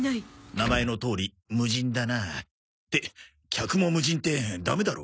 名前のとおり無人だな。って客も無人ってダメだろ。